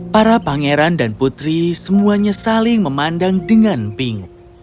para pangeran dan putri semuanya saling memandang dengan ping